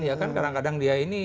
ya kan kadang kadang dia ini